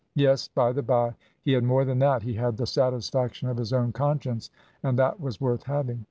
Yes, by the bye, he had more than that, he had the satisfaction of his own conscience, and that was worth having.